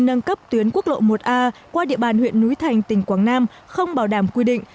nâng cấp tuyến quốc lộ một a qua địa bàn huyện núi thành tỉnh quảng nam không bảo đảm quy định